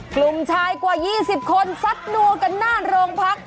กลุ่มชายกว่า๒๐คนซัดนัวกันหน้าโรงพัก